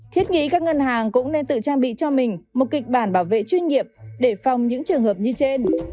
thiết nghĩ các ngân hàng cũng nên tự trang bị cho mình một kịch bản bảo vệ chuyên nghiệp để phòng những trường hợp như trên